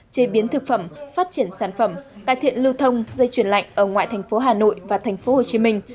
chế biến thực phẩm phát triển sản phẩm cải thiện lưu thông dây chuyển lạnh ở ngoại thành phố hà nội và thành phố hồ chí minh